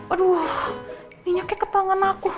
aduh minyaknya ke tangan aku